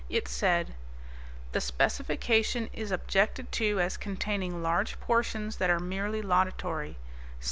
It said: _The specification is objected to as containing large portions that are merely laudatory.